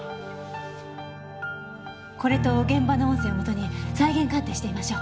これと現場の音声をもとに再現鑑定してみましょう。